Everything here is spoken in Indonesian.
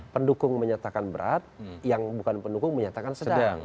pendukung menyatakan berat yang bukan pendukung menyatakan sedang